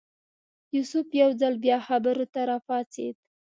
یوسف یو ځل بیا خبرو ته راپاڅېد.